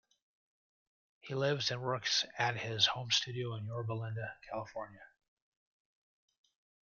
He lives and works at his home studio in Yorba Linda, California.